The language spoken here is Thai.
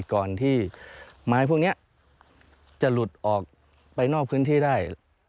ก่อนที่ไม้พวกนี้จะหลุดออกไปนอกพื้นที่ได้